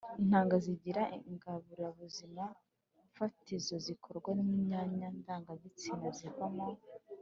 intanga zigira ingirabuzima fatizo zikorwa n imyanya ndangagitsina zivamo